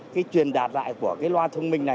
cái truyền đạt lại của cái loa thông minh này